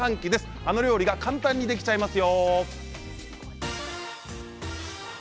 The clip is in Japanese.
あの料理が簡単にできちゃいますよ。